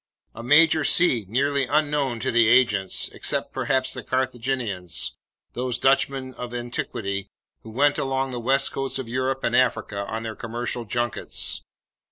A major sea nearly unknown to the ancients, except perhaps the Carthaginians, those Dutchmen of antiquity who went along the west coasts of Europe and Africa on their commercial junkets!